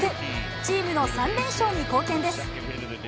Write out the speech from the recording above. チームの３連勝に貢献です。